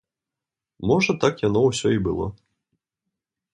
Можа так яно ўсё і было.